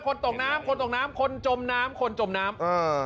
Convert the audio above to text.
ตกน้ำคนตกน้ำคนจมน้ำคนจมน้ำเออ